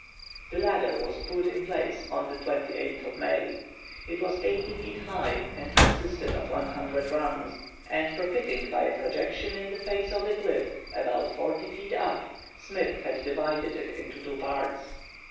The ladder was put in place May 28. It was eighty feet high, and consisted of 100 rungs; and, profiting by a projection in the face of the cliff, about forty feet up, Smith had divided it into two parts.